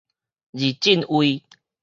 二進位